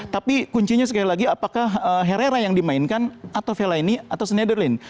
tapi kuncinya sekali lagi apakah herrera yang dimainkan atau vela ini atau snederlin